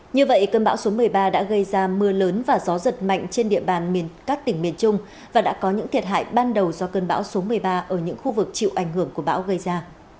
như vậy cơn bão số một mươi ba đã gây ra mưa lớn và gió giật mạnh trên địa bàn các tỉnh miền trung và đã có những thiệt hại ban đầu do cơn bão số một mươi ba ở những khu vực chịu ảnh hưởng của bão gây ra